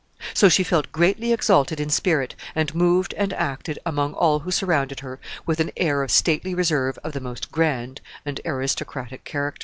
So she felt greatly exalted in spirit, and moved and acted among all who surrounded her with an air of stately reserve of the most grand and aristocratic character.